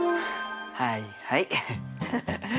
はいはい。